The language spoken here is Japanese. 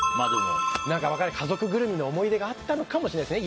家族ぐるみの思い出があったのかもしれないですね。